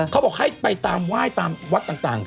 เขาบอกให้ไปตามไหว้ตามวัดต่าง